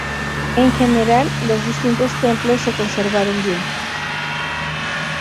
En general, los distintos templos se conservaron bien.